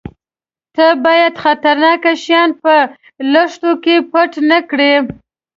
_ته بايد خطرناکه شيان په لښتو کې پټ نه کړې.